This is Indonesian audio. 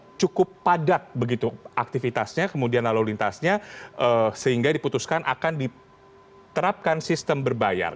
ini cukup padat begitu aktivitasnya kemudian lalu lintasnya sehingga diputuskan akan diterapkan sistem berbayar